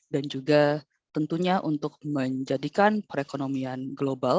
dan juga tentunya untuk menjadikan perekonomian indonesia lebih baik